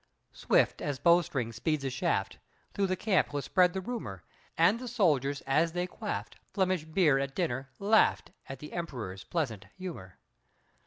Swift as bowstring speeds a shaft, Through the camp was spread the rumor, And the soldiers as they quaffed Flemish beer at dinner, laughed At the Emperor's pleasant humor.